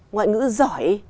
ngoại ngữ giỏi